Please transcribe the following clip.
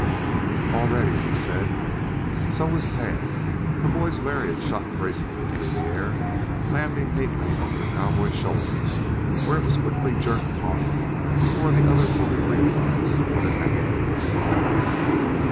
"All ready," he said. So was Tad. The boy's lariat shot gracefully through the air, landing neatly over the cowman's shoulders where it was quickly jerked taut before the other fully realized what had happened.